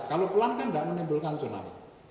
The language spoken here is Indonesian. kalau pelan kan enggak menimbulkan tsunami